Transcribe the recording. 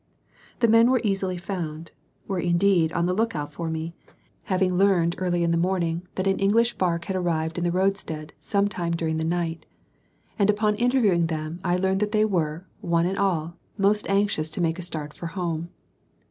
The men were easily found were indeed on the lookout for me, having learned early in the morning that an English barque had arrived in the roadstead some time during the night and upon interviewing them I learned that they were, one and all, most anxious to make a start for home.